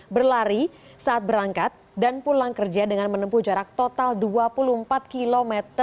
berlari saat berangkat dan pulang kerja dengan menempuh jarak total dua puluh empat km